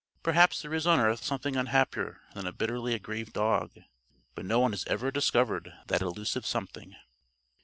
Perhaps there is on earth something unhappier than a bitterly aggrieved dog. But no one has ever discovered that elusive something.